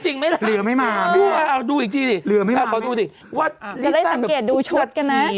จริงไหมล่ะดูอีกทีสิขอดูสิวัดลิซาจะได้สังเกตดูชุดกันนะ